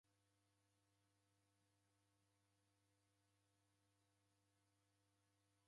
Shaa mapemba dideke mswara na mariw'a ghiw'urue.